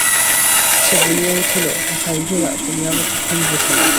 সে বলিয়া উঠিল, ভাই গোরা, তুমি আমাকে ভুল বুঝো না।